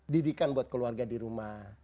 didikan buat keluarga di rumah